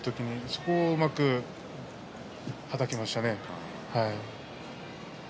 そこをうまく千代丸ははたきました。